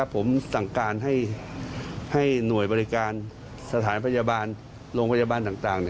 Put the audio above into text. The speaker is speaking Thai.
ผมสั่งการให้หน่วยบริการสถานพยาบาลโรงพยาบาลต่าง